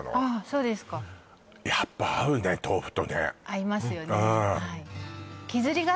そうですかやっぱ合うね豆腐とね合いますよね